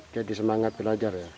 jadi semangat belajar ya